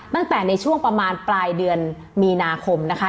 ในช่วงประมาณปลายเดือนมีนาคมนะคะ